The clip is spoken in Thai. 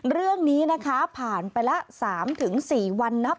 เรื่องนี้นะคะผ่านไปละ๓๔วันนับ